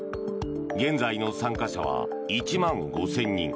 現在の参加者は１万５０００人。